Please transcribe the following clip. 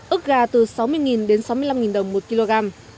ước gà từ sáu mươi đến sáu mươi năm đồng một kg